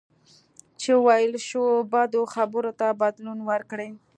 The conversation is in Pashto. چې ویل شوو بدو خبرو ته بدلون ورکړئ.